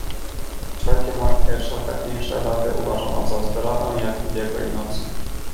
"Wszelkie moje szlachetniejsze rady uważano za zdradę, jak ubiegłej nocy."